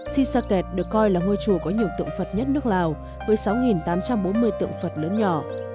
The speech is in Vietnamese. si saket được coi là ngôi chùa có nhiều tượng phật nhất nước lào với sáu tám trăm bốn mươi tượng phật lớn nhỏ